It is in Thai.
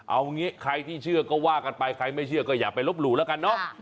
เอางี้ใครที่เชื่อก็ว่ากันไปใครไม่เชื่อก็อย่าไปลบหลู่แล้วกันเนาะ